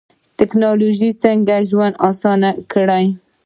ټکنالوژي څنګه ژوند اسانه کړی؟